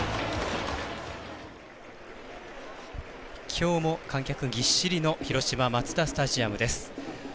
きょうも観客ぎっしりの広島マツダスタジアムです。